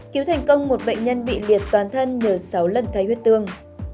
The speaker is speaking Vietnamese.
cứu thành công một bệnh nhân bị liệt toàn thân nhờ sáu lần cây huyết tương